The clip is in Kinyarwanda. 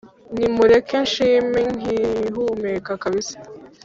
nimureke nshime nkihumeka kabisa